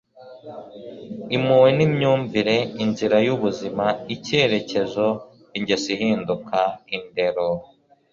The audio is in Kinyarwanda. impuhwe ni imyumvire, inzira y'ubuzima, icyerekezo, ingeso ihinduka indero